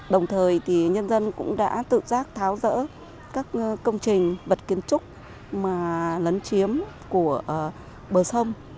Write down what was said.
đồng thời nhân dân cũng đã tự giác tháo rỡ các công trình vật kiến trúc mà lấn chiếm của bờ sông